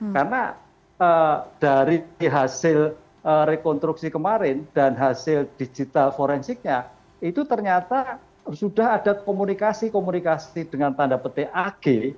karena dari hasil rekonstruksi kemarin dan hasil digital forensiknya itu ternyata sudah ada komunikasi komunikasi dengan tanda petik ag